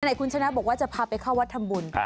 ไหนคุณชนะบอกว่าจะพาไปเข้าวัดทำบุญ